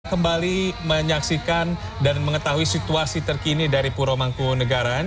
kembali menyaksikan dan mengetahui situasi terkini dari pura mangkuh negaraan